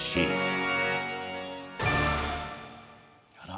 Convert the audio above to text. あら。